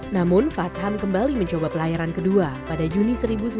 namun fasham kembali mencoba pelayaran kedua pada juni seribu sembilan ratus sembilan puluh